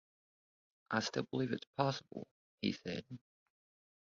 "I still believe it's possible," he said.